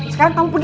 sekarang kamu pergi